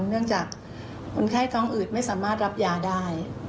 เนื่องจากคนไข้ท้องอืดไม่สามารถรับยาได้